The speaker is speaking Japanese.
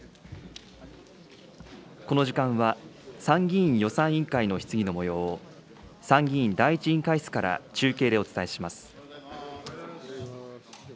この時間は、参議院予算委員会の質疑のもようを、参議院第１委員会室から中継でお伝えします。